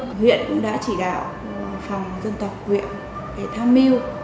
huyện cũng đã chỉ đạo phòng dân tộc huyện để tham mưu